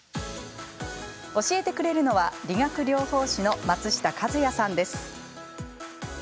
教えてくれるのは理学療法士の松下和哉さんです。